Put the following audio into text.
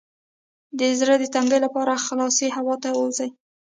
د زړه د تنګي لپاره خلاصې هوا ته ووځئ